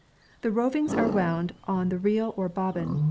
* The ravings are wound on the reel or bobbin.